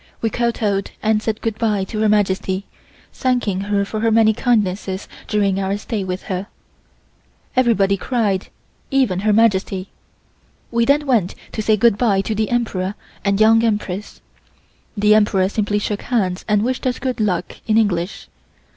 We kowtowed and said good bye to Her Majesty, thanking her for her many kindnesses during our stay with her. Everybody cried, even Her Majesty. We then went to say good bye to the Emperor and Young Empress. The Emperor simply shook hands and wished us "Good Luck" in English.